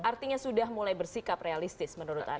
artinya sudah mulai bersikap realistis menurut anda